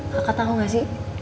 kakak tau gak sih